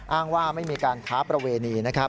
อ้างว่าไม่มีการค้าประเวณี